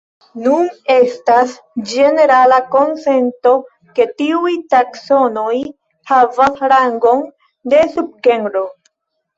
Nun estas ĝenerala konsento ke tiuj taksonoj havas rangon de subgenro.